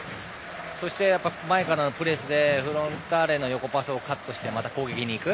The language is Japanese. そして、前からのプレスでフロンターレの横パスをカットして、また攻撃にいく。